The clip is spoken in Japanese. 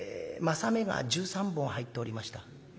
柾目が１３本入っておりました」。